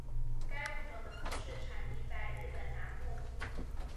该物种的模式产地在日本南部。